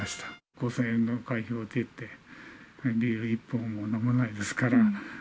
５０００円の会費を置いていって、ビール１本も飲まないですから。